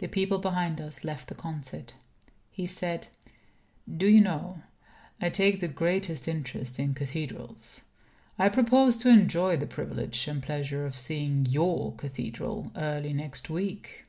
The people behind us left the concert. He said: "Do you know, I take the greatest interest in cathedrals. I propose to enjoy the privilege and pleasure of seeing your cathedral early next week."